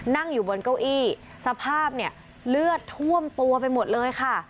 นั่งอยู่บนเก้าอี้สภาพเนี่ยเลือดท่วมตัวไปหมดเลยค่ะ